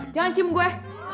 jangan cium gue